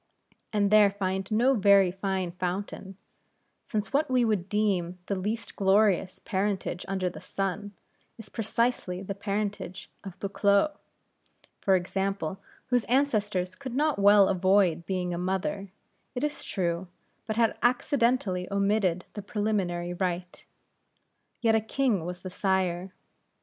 and there find no very fine fountain; since what we would deem the least glorious parentage under the sun, is precisely the parentage of a Buccleugh, for example; whose ancestress could not well avoid being a mother, it is true, but had accidentally omitted the preliminary rite. Yet a king was the sire.